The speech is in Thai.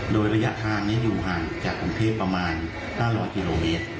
โดยระยะทางนี้อยู่ห่างจากกรุงเทพประมาณ๕๐๐กิโลเมตร